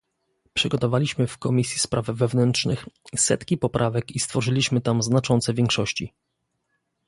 Przygotowaliśmy w Komisji Spraw Wewnętrznych setki poprawek i stworzyliśmy tam znaczące większości